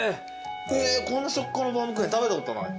こんな食感のバウムクーヘン食べたことない。